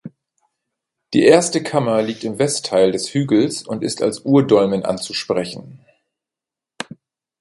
Die erste Kammer liegt im Westteil des Hügels und ist als Urdolmen anzusprechen.